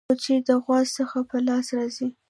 کوچي د غوا څخه په لاس راځي.